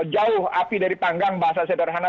jauh api dari panggang bahasa sederhana